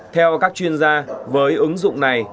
theo các chuyên gia với ứng dụng này